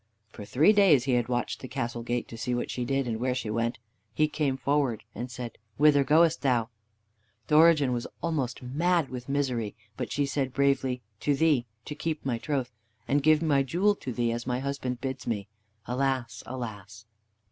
For three days he had watched the castle gate to see what she did, and where she went. He came forward and said, "Whither goest thou?" Dorigen was almost mad with misery, but she said bravely, "To thee, to keep my troth, and give my jewel to thee, as my husband bids me. Alas! alas!"